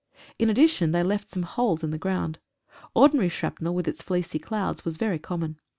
In addition they left some holes in the ground. Ordinary shrapnel with its fleecy clouds was very common.